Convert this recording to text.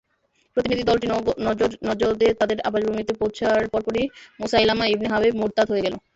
প্রতিনিধি দলটি নজদে তাদের আবাসভূমিতে পৌঁছার পরপরই মুসাইলামা ইবনে হাবীব মুরতাদ হয়ে গেল।